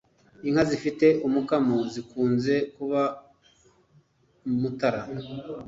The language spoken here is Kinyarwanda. Inka zifite umukamo zikunze kuba mumutara